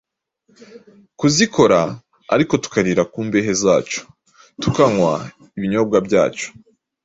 kuzikora, ariko tukarira ku mbehe zacu, tukanywa ibinyobwa byacu.